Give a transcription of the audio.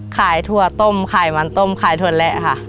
ข่ายถั่วต้มข่ายมันต้มข่ายถั่วแหละค่ะ